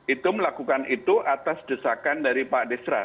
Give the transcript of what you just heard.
itu melakukan itu atas desakan dari pak desra